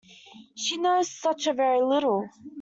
She knows such a very little!